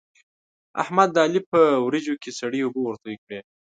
احمد د علي په وريجو کې سړې اوبه ورتوی کړې.